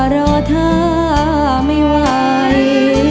รอเธอไม่ไหว